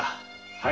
はい。